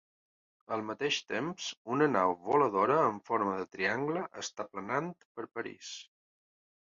Al mateix temps, una nau voladora amb forma de triangle està planant per París.